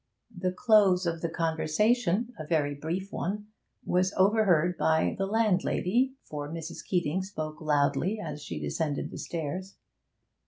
The close of the conversation (a very brief one) was overheard by the landlady, for Mrs. Keeting spoke loudly as she descended the stairs.